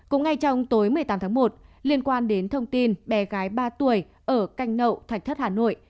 cũng ngay trong tối một mươi tám tháng một liên quan đến thông tin bé gái ba tuổi ở canh nậu thạch thất hà nội